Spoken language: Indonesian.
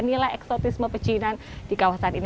nilai eksotisme pecinan di kawasan ini